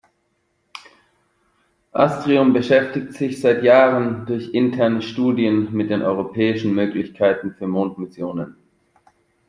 Astrium beschäftigt sich seit Jahren durch interne Studien mit den europäischen Möglichkeiten für Mondmissionen.